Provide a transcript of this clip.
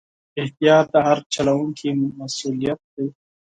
احتیاط د هر چلوونکي مسؤلیت دی.